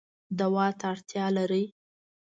دوا ته اړتیا لرئ